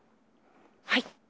はい